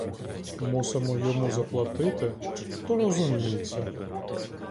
Мусимо йому заплатити, то розуміється.